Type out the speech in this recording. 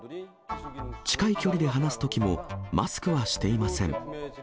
近い距離で話すときも、マスクはしていません。